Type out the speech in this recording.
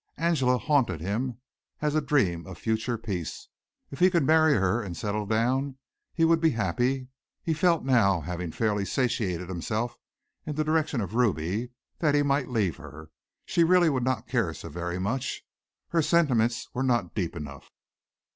Angela haunted him as a dream of future peace. If he could marry her and settle down he would be happy. He felt now, having fairly satiated himself in the direction of Ruby, that he might leave her. She really would not care so very much. Her sentiments were not deep enough.